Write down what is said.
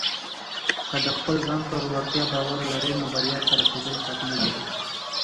که د خپل ځان پر وړتیا باور لرې، نو بریا ته رسېدل حتمي دي.